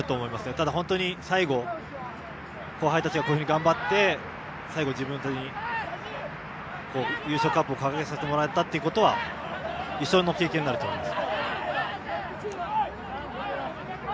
ただ本当に最後、後輩たちがこういうふうに頑張って最後、自分のために優勝カップを掲げさせてもらったというのは一生の経験になると思います。